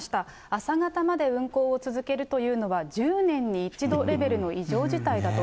朝方まで運行を続けるというのは、１０年に１度レベルの異常事態だと。